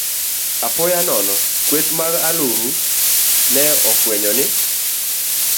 Apoya nono, kweth mag aluru ne ofwenyo ni